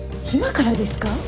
今からですか？